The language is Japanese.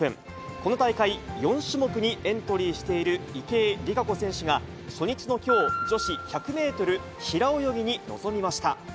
この大会、４種目にエントリーしている池江璃花子選手が、初日のきょう、女子１００メートル平泳ぎに臨みました。